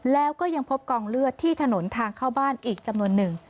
แล้วก็ยังพบกองเลือดที่ถนนทางเข้าบ้านอีกจำนวนหนึ่ง